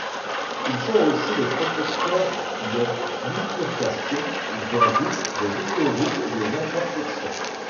Ils sont aussi les protecteurs des bifurcations, des routes, des autoroutes et des intersections.